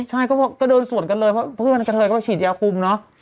ใช่ก็บอกก็เดินสวนกันเลยเพื่อนกับเธอก็ฉีดยาคุมเนาะ